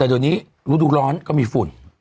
แต่ตอนนี้รูดุร้อนก็มีฝุ่น